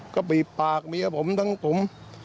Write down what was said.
ก็บีบปากเมียผมทั้งผม